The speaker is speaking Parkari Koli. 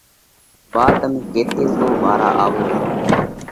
ٻا تمي ڪيٿئہ سو۔ ٻارا آوو را۔